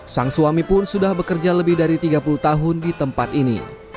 sang suami pun sudah bekerja lebih dari tiga puluh tahun di tempat ini